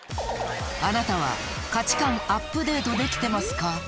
あなたは価値観アップデートできてますか？